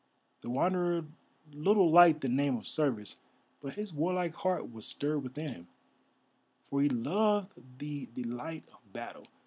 The Wanderer little liked the name of service, but his warlike heart was stirred within him, for he loved the delight of battle.